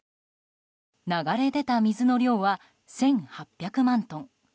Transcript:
流れ出た水の量は１８００万トン。